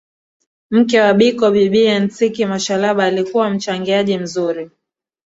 Mke wa Biko bibie Ntsiki Mashalaba alikuwa mchangiaji mzuri